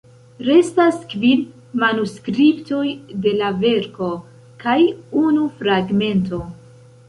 Restas kvin manuskriptoj de la verko, kaj unu fragmento.